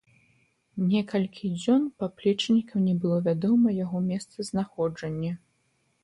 Некалькі дзён паплечнікам не было вядома яго месцазнаходжанне.